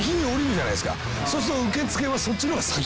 そうすると受付そっちのが先。